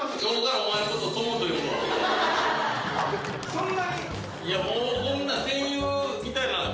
そんなに？